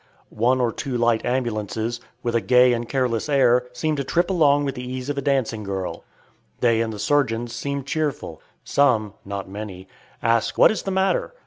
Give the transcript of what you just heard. One or two light ambulances, with a gay and careless air, seem to trip along with the ease of a dancing girl. They and the surgeons seem cheerful. Some, not many, ask "What is the matter?"